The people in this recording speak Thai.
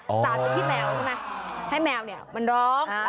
สาธิตที่แมวใช่ไหมให้แมวมันร้อง